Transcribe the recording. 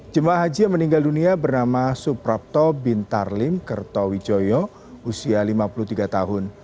jemaah haji yang meninggal dunia bernama suprapto bintarlim kertowijoyo usia lima puluh tiga tahun